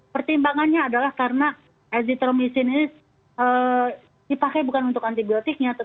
pertimbangannya adalah karena azitromisin ini dipakai bukan untuk antibiotiknya